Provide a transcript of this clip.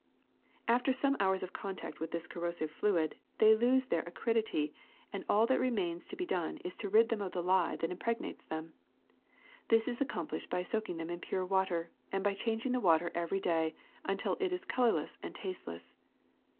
After some hours of contact with this corrosive fluid they lose their acridity, and all that remains to be done is to rid them of the lye that impregnates them. This is accomplished by soaking them in pure water and changing the water every day until it is colorless and tasteless.